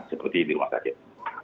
seperti di rumah sakit